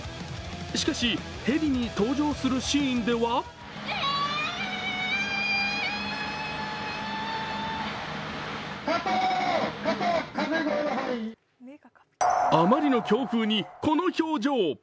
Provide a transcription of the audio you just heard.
しかし、ヘリに搭乗するシーンではあまりの強風に、この表情。